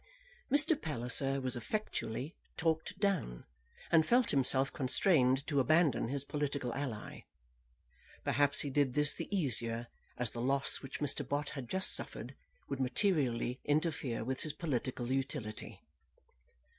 Mr. Palliser was effectually talked down, and felt himself constrained to abandon his political ally. Perhaps he did this the easier as the loss which Mr. Bott had just suffered would materially interfere with his political utility.